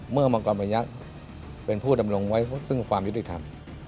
เมื่อมังกรพยักษ์เป็นผู้ตำรงไว้ซึ่งความยุติธรรม